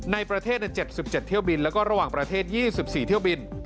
ในประเทศ๗๗เที่ยวบินแล้วก็ระหว่างประเทศ๒๔เที่ยวบิน